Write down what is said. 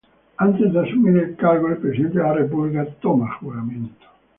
Antes de asumir el cargo, el presidente de la República toma el juramento.